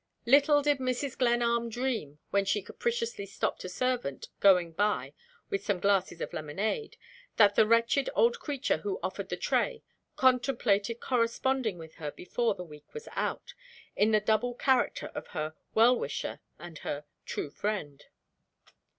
Little did Mrs. Glenarm dream, when she capriciously stopped a servant going by with some glasses of lemonade, that the wretched old creature who offered the tray contemplated corresponding with her before the week was out, in the double character of her "Well Wisher" and her "True Friend."